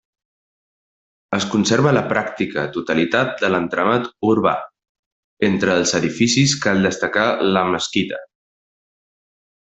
Es conserva la pràctica totalitat de l'entramat urbà, entre els edificis cal destacar la mesquita.